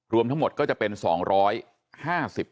รวมทั้งหมดก็จะเป็น๒๕๐คน